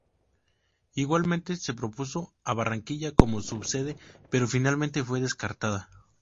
Igualmente se propuso a Barranquilla como subsede, pero finalmente fue descartada.